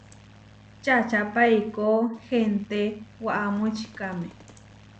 Čačápa eikó henté waʼa močikáme.